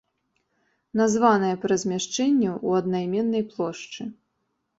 Названая па размяшчэнню ў аднайменнай плошчы.